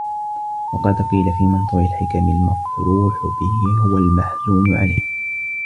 وَقَدْ قِيلَ فِي مَنْثُورِ الْحِكَمِ الْمَفْرُوحُ بِهِ هُوَ الْمَحْزُونُ عَلَيْهِ